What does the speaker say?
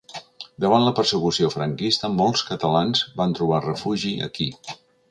Davant la persecució franquista, molts catalans van trobar refugi aquí.